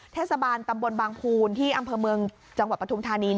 เทศบาลตำบลบางภูนที่อำเภอเมืองจังหวัดปฐุมธานี